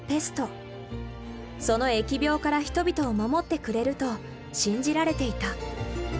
その疫病から人々を守ってくれると信じられていた。